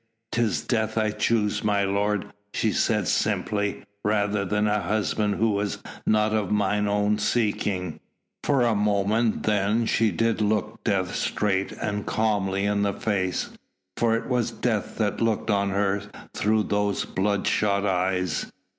"'Tis death I choose, my lord," she said simply, "rather than a husband who was not of mine own seeking." For a moment then she did look death straight and calmly in the face, for it was death that looked on her through those blood shot eyes.